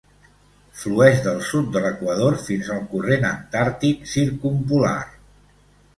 Flueix del sud de l'equador fins al Corrent Antàrtic Circumpolar.